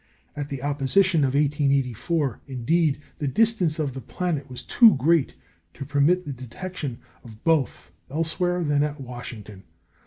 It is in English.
At the opposition of 1884, indeed, the distance of the planet was too great to permit of the detection of both elsewhere than at Washington.